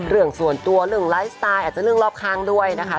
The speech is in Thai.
เรื่องส่วนตัวเรื่องไลฟ์สไตล์อาจจะเรื่องรอบข้างด้วยนะคะ